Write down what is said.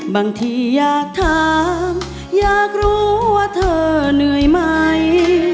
บางทีอยากถามอยากรู้ว่าเธอเหนื่อยไหม